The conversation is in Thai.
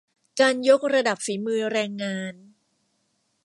การยกระดับฝีมือแรงงาน